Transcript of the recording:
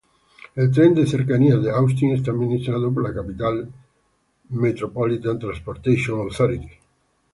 El Tren de Cercanías de Austin es administrado por la Capital Metropolitan Transportation Authority.